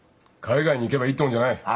海外に行けばいいってもんじゃない。